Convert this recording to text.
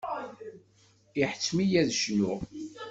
Iḥettem-iyi ad cnuɣ.